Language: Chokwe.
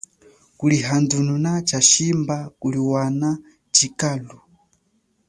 Kulihandununa tshashi mba kuliwana tshikalu.